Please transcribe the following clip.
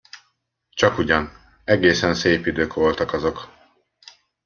Csakugyan, egészen szép idők voltak azok!